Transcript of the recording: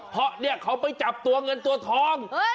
เพราะเนี่ยเขาไปจับตัวเงินตัวทอง